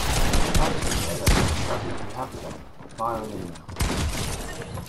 Players may share their Petz with others who have the game via an email.